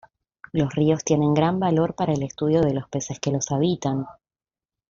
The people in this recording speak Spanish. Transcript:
Los ríos tienen gran valor para el estudio de los peces que los habitan.